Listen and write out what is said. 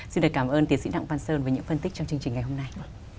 xin được cảm ơn tiến sĩ đặng văn sơn với những phân tích trong chương trình ngày hôm nay